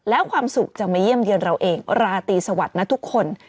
แล้วความสุขจะมาเยี่ยมเยือนเราเองราตรีสวัสดิ์นะทุกคน